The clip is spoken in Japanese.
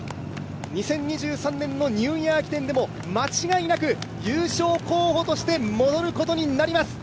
２０２３年のニューイヤー駅伝でも間違いなく優勝候補として戻ることになります。